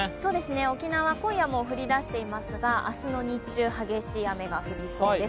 沖縄、今夜はもう降り出していますが、明日の日中、激しい雨が降りそうです。